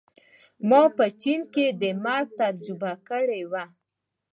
ما په چین کې د مرګ تجربه کړې وه